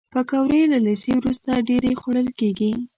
پکورې له لیسې وروسته ډېرې خوړل کېږي